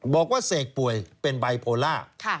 บอกว่าเสกป่วยเป็นไบโพล่า